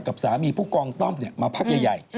กับสามีผู้กองต้อมมาพักใหญ่